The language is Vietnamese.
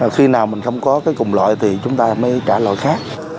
khi nào mình không có cái cùng loại thì chúng ta mới trả loại khác